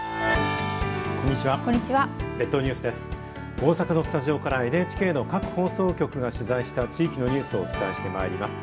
大阪のスタジオからＮＨＫの各放送局が取材した地域のニュースをお伝えしてまいります。